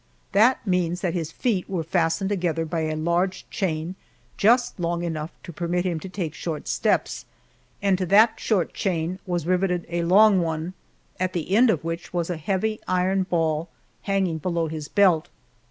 That means that his feet were fastened together by a large chain, just long enough to permit him to take short steps, and to that short chain was riveted a long one, at the end of which was a heavy iron ball hanging below his belt.